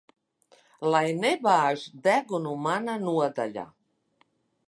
Lai nebāž degunu manā nodaļā.